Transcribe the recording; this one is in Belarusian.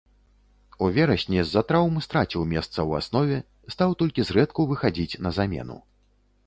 У верасні з-за траўм страціў месца ў аснове, стаў толькі зрэдку выхадзіць на замену.